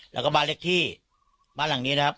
แล้วก็บ้านเลขที่บ้านหลังนี้นะครับ